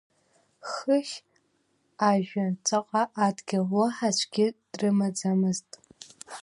Хыхь ажәҩан, ҵаҟа адгьыл, уаҳа аӡәгьы дрымаӡамызт…